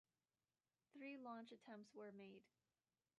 Three launch attempts were made.